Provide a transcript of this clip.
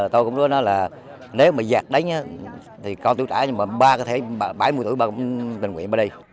tôi cũng nói là nếu mà giạt đánh thì con tiêu trả nhưng mà ba có thể bảy mươi tuổi ba cũng bình nguyện ba đi